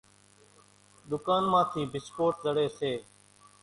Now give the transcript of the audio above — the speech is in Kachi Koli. ۮُڪانَ مان ٿِي ڀِسڪوٽ زڙيَ سي۔